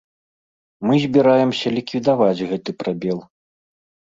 Мы збіраемся ліквідаваць гэты прабел.